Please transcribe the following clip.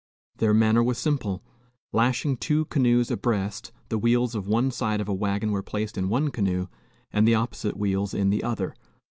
Their manner was simple. Lashing two canoes abreast, the wheels of one side of a wagon were placed in one canoe and the opposite wheels in the other.